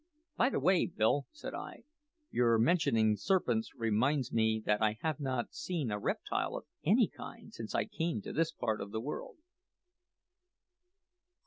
"By the way, Bill," said I, "your mentioning serpents reminds me that I have not seen a reptile of any kind since I came to this part of the world."